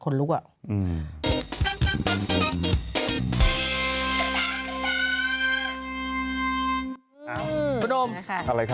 คุณลุกน่ะคนลุกน่ะ